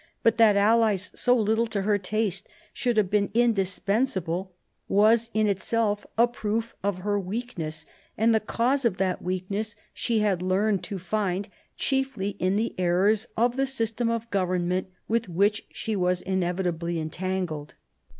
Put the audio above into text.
But that allies so little to her taste should have been indispensable was in itself a proof of her weakness ; and the cause of that weakness she had learned to find chiefly in the errors of the system of government with f which she was inevitably entangled.